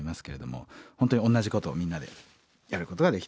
本当に同じことをみんなでやることができたかなと思います。